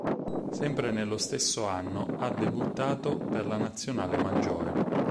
Sempre nello stesso anno, ha debuttato per la Nazionale maggiore.